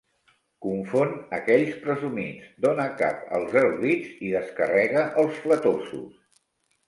Confon aquells presumits, dona cap als erudits i descarrega els flatosos.